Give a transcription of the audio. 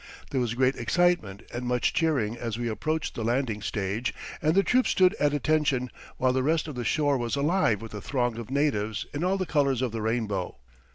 There was great excitement and much cheering as we approached the landing stage, and the troops stood at attention, while the rest of the shore was alive with the throng of natives in all the colours of the rainbow.